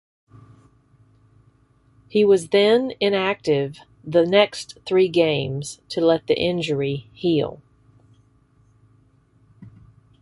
He was then inactive next the three games to let the injury heal.